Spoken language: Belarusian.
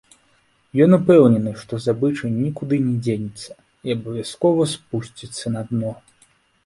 Ён упэўнены, што здабыча нікуды не дзенецца і абавязкова спусціцца на дно.